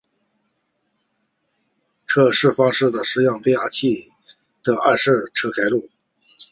测试方式是让变压器的二次侧开路。